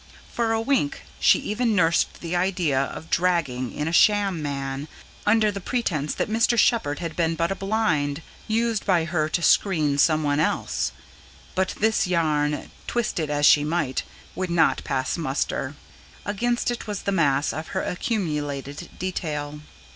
For a wink, she even nursed the idea of dragging in a sham man, under the pretence that Mr. Shepherd had been but a blind, used by her to screen some one else. But this yarn, twist it as she might, would not pass muster. Against it was the mass of her accumulated detail.